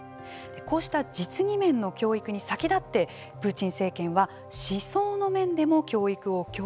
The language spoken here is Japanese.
こうした実技面の教育に先立ってプーチン政権は思想の面でも教育を強化してきました。